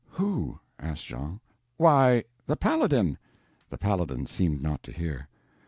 "Who?" asked Jean. "Why, the Paladin." The Paladin seemed not to hear.